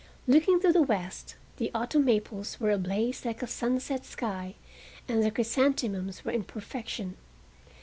Looking to the west the autumn maples were ablaze like a sunset sky, and the chrysanthemums were in perfection.